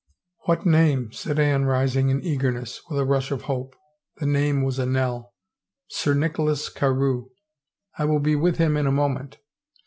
" What name? " said Anne rising in eagerness, with a rush of hope* The name was a knell. " Sir Nicholas Carewe." " I will be with him in a moment."